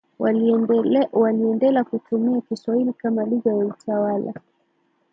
waliendela kutumia Kiswahili kama lugha ya utawala